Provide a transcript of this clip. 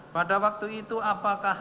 pada waktu itu apakah